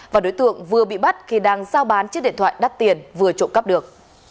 và đối tượng vừa bị bắt khi đang giao bán chiếc điện thoại đắt tiền vừa trộm cắp được